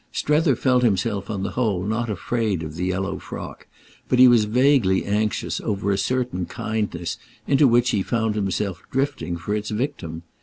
Strether felt himself on the whole not afraid of the yellow frock, but he was vaguely anxious over a certain kindness into which he found himself drifting for its victim.